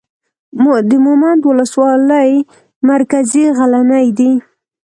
د مومند اولسوالۍ مرکز غلنۍ دی.